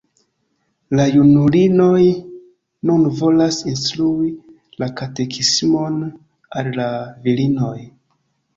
La junulinoj nun volas instrui la katekismon al la virinoj.